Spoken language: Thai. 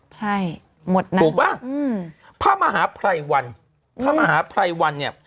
ใช่หมดนะถูกป่ะอืมพระมหาภัยวันพระมหาภัยวันเนี่ย